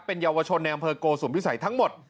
เป็นเยาวชนในอำเภอโกสุมพิสัยทั้งหมด